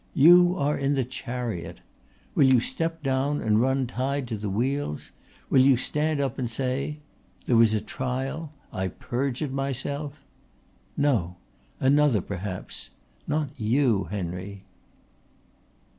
You are in the chariot. Will you step down and run tied to the wheels? Will you stand up and say, 'There was a trial. I perjured myself'? No. Another, perhaps. Not you, Henry."